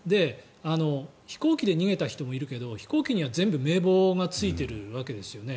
飛行機で逃げた人もいるけど飛行機には全部名簿がついているわけですよね。